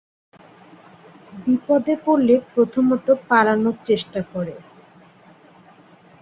বিপদে পড়লে প্রথমত পালানোর চেষ্টা করে।